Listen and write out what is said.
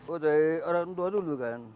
oh dari orang tua dulu kan